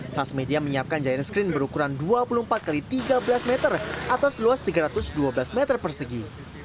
transmedia menyiapkan giant screen berukuran dua puluh empat x tiga belas meter atau seluas tiga ratus dua belas meter persegi